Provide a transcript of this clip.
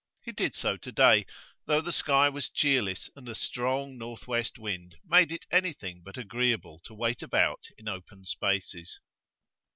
He did so to day, though the sky was cheerless and a strong north west wind made it anything but agreeable to wait about in open spaces.